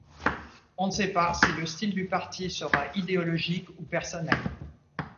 On ne sait pas si le style du parti sera idéologique ou personnel.